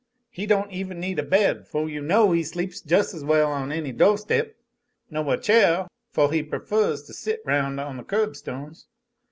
He don't even need a bed, foh you know he sleeps jus' as well on any doohstep; noh a chair, foh he prefers to sit roun' on the curbstones.